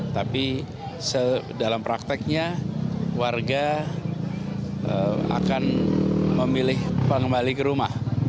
tapi dalam prakteknya warga akan memilih pengembali ke rumah